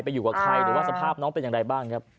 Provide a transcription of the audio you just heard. อยู่กับใครหรือว่าสภาพน้องเป็นอย่างไรบ้างครับ